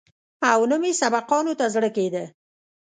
او نه مې سبقانو ته زړه کېده.